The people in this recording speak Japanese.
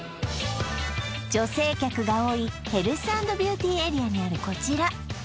女性客が多いヘルス＆ビューティエリアにあるこちら